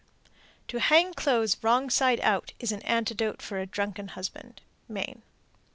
To hang clothes wrong side out is an antidote for a drunken husband. _Maine.